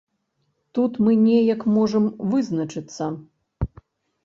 Тут мы неяк можам вызначыцца.